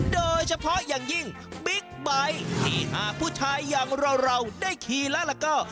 โดยเฉพาะอย่างยิ่งบิ๊กไบท์ที่หากผู้ชายอย่างเราได้ขี่แล้วก็